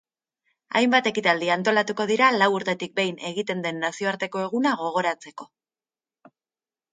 Hainbat ekitaldi antolatuko dira lau urtetik behin egiten den nazioarteko eguna gogoratzeko.